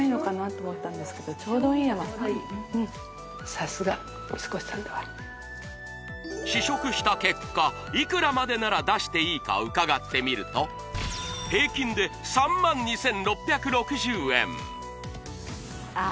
さすが三越さんだわ試食した結果いくらまでなら出していいか伺ってみると平均で３万２６６０円ああ